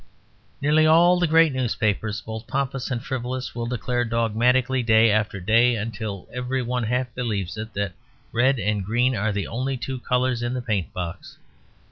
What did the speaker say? Nearly all the great newspapers, both pompous and frivolous, will declare dogmatically day after day, until every one half believes it, that red and green are the only two colours in the paint box.